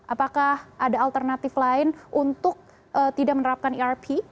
apakah ada alternatif lain untuk tidak menerapkan erp